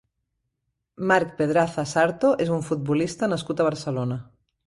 Marc Pedraza Sarto és un futbolista nascut a Barcelona.